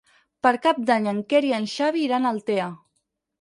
Per Cap d'Any en Quer i en Xavi iran a Altea.